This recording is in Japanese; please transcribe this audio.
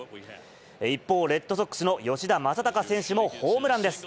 一方、レッドソックスの吉田正尚選手もホームランです。